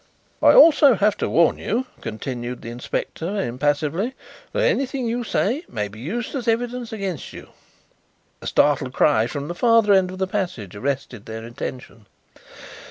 "I also have to warn you," continued the inspector impassively, "that anything you say may be used as evidence against you." A startled cry from the farther end of the passage arrested their attention.